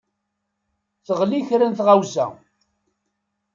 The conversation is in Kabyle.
Teɣli kra n tɣewsa.